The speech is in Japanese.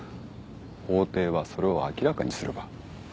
法廷はそれを明らかにする場。